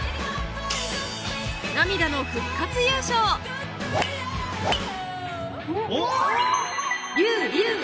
涙の復活優勝おっ！